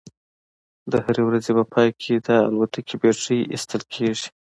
د هرې ورځې په پای کې د الوتکې بیټرۍ ایستل کیږي